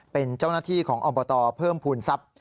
เป็นเจ้าหน้าที่ของอบตเพิ่มภูมิทรัพย์